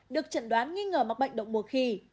được trận đoán nghi ngờ mắc bệnh động mùa khỉ